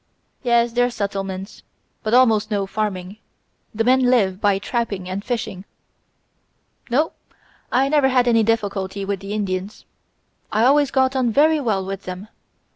Yes, there are settlements, but almost no farming; the men live by trapping and fishing ... No, I never had any difficulty with the Indians; I always got on very well with them.